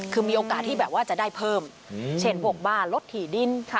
คือมีโอกาสที่แบบว่าจะได้เพิ่มเช่นพวกบ้านรถถี่ดิน